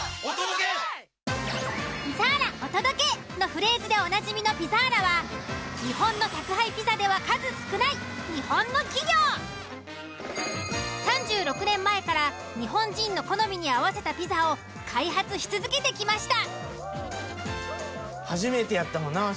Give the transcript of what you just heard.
「ピザーラお届け！」のフレ―ズでおなじみの「ピザーラ」は日本の３６年前から日本人の好みに合わせたピザを開発し続けてきました。